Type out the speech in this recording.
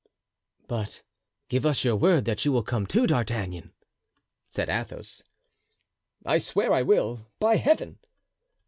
"But give us your word that you will come too, D'Artagnan," said Athos. "I swear I will, by Heaven."